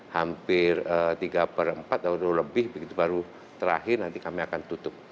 hampir tiga per empat atau lebih begitu baru terakhir nanti kami akan tutup